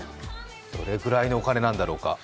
どれくらいのお金なんだろうか。